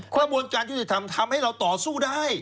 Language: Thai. กระบวนการยุติธรรมทำให้เราต่อสู้ได้